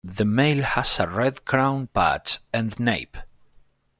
The male has a red crown patch and nape.